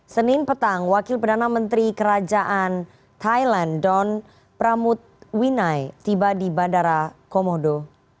senin petang wakil perdana menteri kerajaan thailand don pramud winai tiba di bandara komodo